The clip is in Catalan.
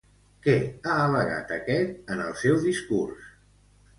Què ha al·legat aquest en el seu discurs?